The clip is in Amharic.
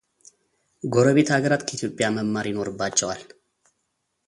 ጎረቤት አገራት ከኢትዮጵያ መማር ይኖርባቸዋል